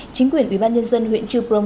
chính quyền ubnd huyện chư prong